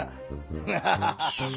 フハハハハ。